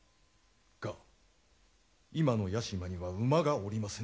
が今の屋島には馬がおりませぬ。